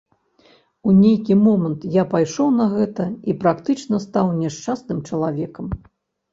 У нейкі момант я пайшоў на гэта, і практычна стаў няшчасным чалавекам.